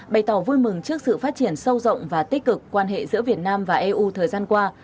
bày tỏ vui mừng trước sự phát triển sâu rộng và tích cực quan hệ giữa việt nam và eu thời gian qua